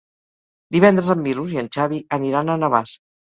Divendres en Milos i en Xavi aniran a Navàs.